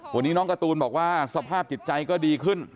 วันนี้น้องการ์ตูนบอกว่าสภาพจิตใจก็ดีขึ้น